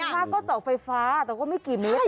อย่างมากก็เศร้าไฟฟ้าแต่ก็ไม่กี่เมตร